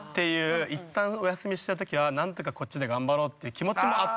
一旦お休みした時は何とかこっちで頑張ろうっていう気持ちもあって。